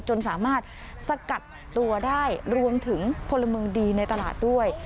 จนสามารถสกัดตัวได้รวมถึงพลเมืองดีในตลาดด้วย